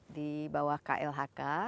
di bawah klhk